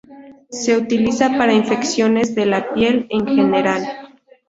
Se utiliza para infecciones de la piel en general.